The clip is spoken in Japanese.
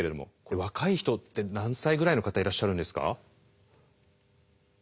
若い人って何歳ぐらいの方いらっしゃるんですか？